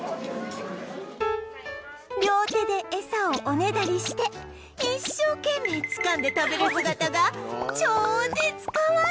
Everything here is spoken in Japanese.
両手でエサをおねだりして一生懸命つかんで食べる姿が超絶かわいい！